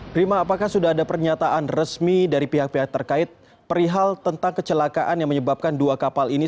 prima apakah sudah ada pernyataan resmi dari pihak pihak terkait perihal tentang kecelakaan yang menyebabkan dua kapal ini